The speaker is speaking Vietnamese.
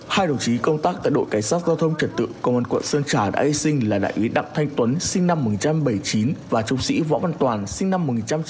hai đồng chí công tác tại đội cảnh sát giao thông trật tự công an quận sơn trà đã hy sinh là đại úy đặng thanh tuấn sinh năm một nghìn chín trăm bảy mươi chín và trung sĩ võ văn toàn sinh năm một nghìn chín trăm tám mươi